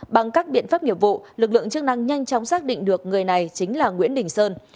bằng các biện pháp nghiệp vụ lực lượng chức năng nhanh chóng xác định được người này chính là nguyễn đình sơn